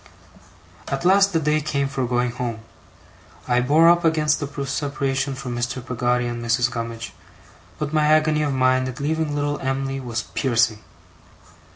At last the day came for going home. I bore up against the separation from Mr. Peggotty and Mrs. Gummidge, but my agony of mind at leaving little Em'ly was piercing.